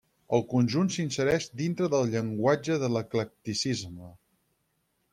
El conjunt s'insereix dintre del llenguatge de l'eclecticisme.